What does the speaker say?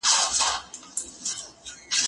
دا تمرين له هغه ګټور دي؟